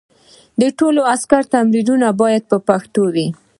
ټول عسکري تمرینونه باید په پښتو وي.